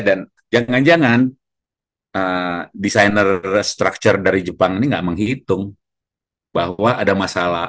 dan jangan jangan desainer struktur dari jepang ini nggak menghitung bahwa ada masalah